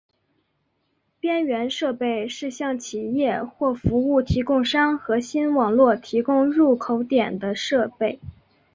边缘设备是向企业或服务提供商核心网络提供入口点的设备。